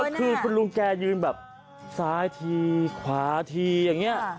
คือคุณลุงแกยืนแบบซ้ายทีขวาทีอย่างนี้